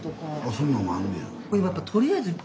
そんなんもあんねや。